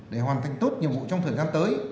để hoàn thành tốt nhiệm vụ trong thời gian tới